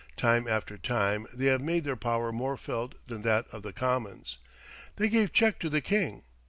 Time after time they have made their power more felt than that of the Commons. They gave check to the king.